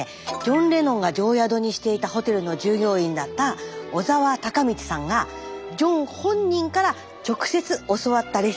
ジョン・レノンが定宿にしていたホテルの従業員だった小澤孝道さんがジョン本人から直接教わったレシピで作ったものなんです。